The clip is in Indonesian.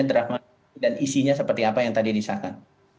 drama dan isinya seperti apa yang tadi disahkan